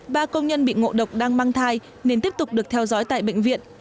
ba công nhân bị ngộ độc đang mang thai nên tiếp tục được theo dõi tại bệnh viện